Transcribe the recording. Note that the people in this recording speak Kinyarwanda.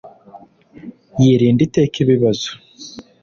yirinda iteka ibibazo